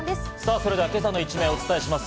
それでは今朝の一面をお伝えします。